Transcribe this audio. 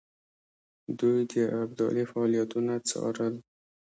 دوی د ابدالي فعالیتونه څارل.